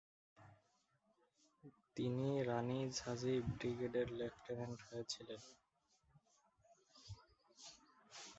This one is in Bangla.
তিনি রানি ঝাঁসি ব্রিগেডের লেফটেন্যান্ট হয়েছিলেন।